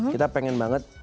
kita pengen banget